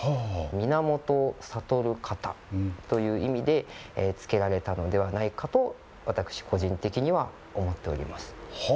源を悟る方という意味で付けられたのではないかと私個人的には思っております。